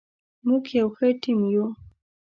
موږ یو ښه ټیم یو.